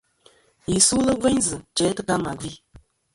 Yi sulɨ gveyn zɨ̀ jæ tɨ ka mà gvi.